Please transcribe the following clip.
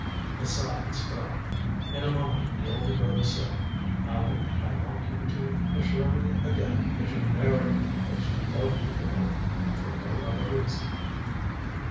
A silence fell. In a moment the elder brother said: "Allan, I want you to assure me again that you're marrying because you love the girl and for no other reason."